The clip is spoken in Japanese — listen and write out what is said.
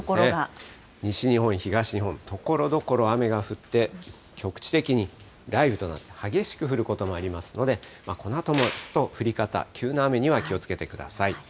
西日本、東日本、ところどころ雨が降って、局地的に雷雨となって、激しく降ることもありますので、このあとも降り方、急な雨には気をつけてください。